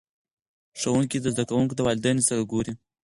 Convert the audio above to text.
ښوونکي د زده کوونکو د والدینو سره ګوري.